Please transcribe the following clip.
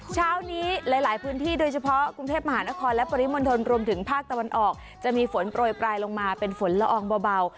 เช้านี้หลายพื้นที่โดยเฉพาะกรุงเทพมหานครและปริมณฑลรวมถึงภาคตะวันออกจะมีฝนโปรยปลายลงมาเป็นฝนละอองเบา